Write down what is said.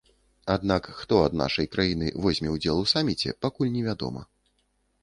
Аднак хто ад нашай краіны возьме ўдзел у саміце, пакуль невядома.